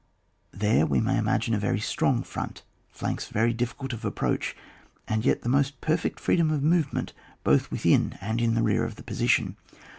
There we may ima gine a very strong front ; flanks very difficult of approach, and yet the most perfect freedom of movement, both within and in reeur of the position.